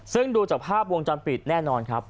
ซึ่งดูจากภาพวงจรปิดแน่นอนครับ